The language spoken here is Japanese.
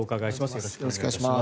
よろしくお願いします。